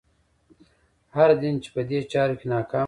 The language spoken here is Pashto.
هر دین چې په دې چارو کې ناکامه شو.